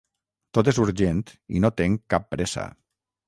Tot és urgent i no tenc cap pressa.